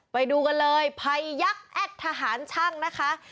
ไปดูกันเลยภัยยักษ์แอดทหารช่างนะคะ